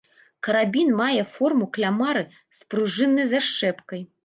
Карабін мае форму клямары з спружыннай зашчэпкай.